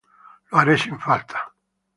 Lo haré sin falta.